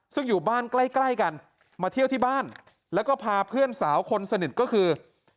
ซึ่งอยู่บ้านใกล้ใกล้กันมาเที่ยวที่บ้านแล้วก็พาเพื่อนสาวคนสนิทก็คือ